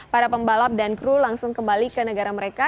para pembalap dan kru langsung kembali ke negara mereka